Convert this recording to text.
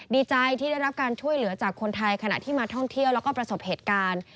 ดีใจที่ได้รับการช่วยเหลือจากคนไทยขณะที่มาท่องเที่ยวแล้วก็ประสบเหตุการณ์